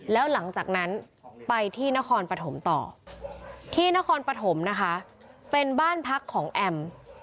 แล้วหลังจากนั้นไปที่นครปฐมต่อที่นครปฐมนะคะเป็นบ้านพักของแอม